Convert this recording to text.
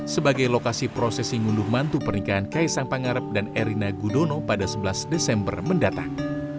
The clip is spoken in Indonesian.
sebagai lokasi prosesi ngunduh mantu pernikahan kaisang pangarep dan erina gudono pada sebelas desember mendatang